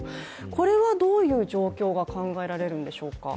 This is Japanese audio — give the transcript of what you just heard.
これはどういう状況が考えられるんでしょうか？